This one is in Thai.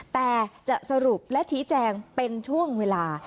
แต่จะสรุปและชี้แจงเป็นช่วงเวลา